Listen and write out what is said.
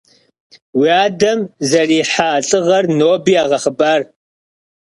Уи адэм зэрихьа лӀыгъэр ноби ягъэхъыбар.